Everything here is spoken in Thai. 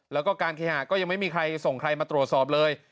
แล้วก็การเคหาก็ยังไม่มีใครส่งใครมาตรวจสอบเลย